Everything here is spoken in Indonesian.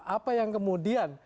apa yang kemudian